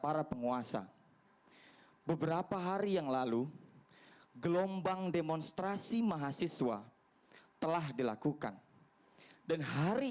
para penguasa beberapa hari yang lalu gelombang demonstrasi mahasiswa telah dilakukan dan hari